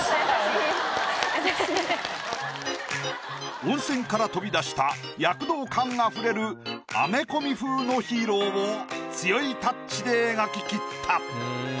温泉から飛び出した躍動感あふれるアメコミ風のヒーローを強いタッチで描ききった。